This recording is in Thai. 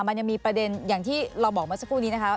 มันยังมีประเด็นอย่างที่เราบอกเมื่อสักครู่นี้นะคะ